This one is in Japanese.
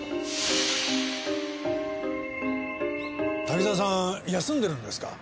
滝沢さん休んでるんですか？